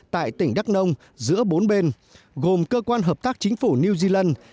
tại tỉnh đắk nông giữa bốn bên gồm cơ quan hợp tác chính phủ new zealand